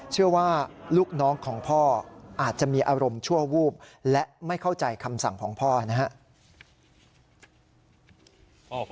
เชื่อว่าลูกน้องของพ่ออาจจะมีอารมณ์ชั่ววูบและไม่เข้าใจคำสั่งของพ่อนะครับ